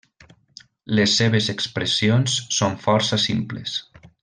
Les seves expressions són força simples.